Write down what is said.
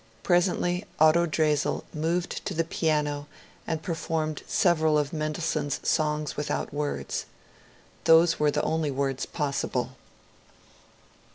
Presently Otto Dresel moved to the piano and performed several of Mendelssohn's " Songs without Words." Those were the only words possible.